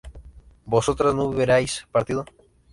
¿vosotras no hubierais partido?